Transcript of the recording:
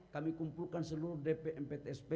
kami kumpulkan seluruh dpmptsp